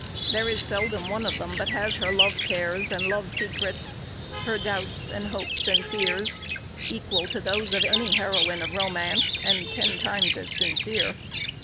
There is seldom one of them but has her love cares, and love secrets; her doubts, and hopes, and fears, equal to those of any heroine of romance, and ten times as sincere.